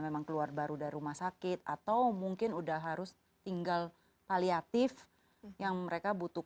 memang keluar baru dari rumah sakit atau mungkin udah harus tinggal aliatif yang mereka butuh